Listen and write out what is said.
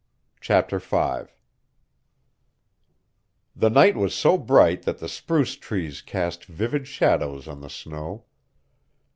CHAPTER V The night was so bright that the spruce trees cast vivid shadows on the snow.